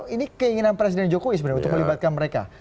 ini keinginan presiden jokowi sebenarnya untuk melibatkan mereka